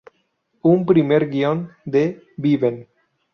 Un primer guion de "¡Viven!